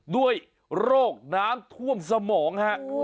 ด้วยโรคน้ำท่วมสมองฮะ